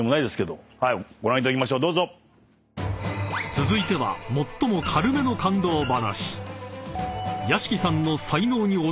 ［続いては最も軽めの感動話］